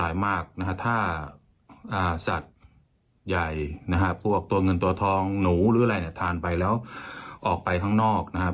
ใหญ่นะครับพวกตัวเงินตัวท้องหนูหรืออะไรทานไปแล้วออกไปข้างนอกนะครับ